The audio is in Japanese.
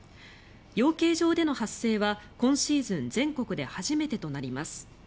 養鶏場での発生は今シーズン全国で初めてとなります。